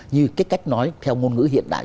như cái cách nói theo ngôn ngữ hiện đại